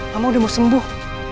mama udah mau sembuh